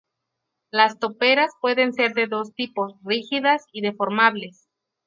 Las toperas pueden ser de dos tipos: rígidas y deformables.